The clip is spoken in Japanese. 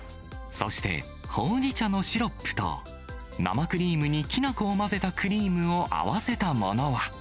そして、ほうじ茶のシロップと、生クリームにきな粉を混ぜたクリームを合わせたものは。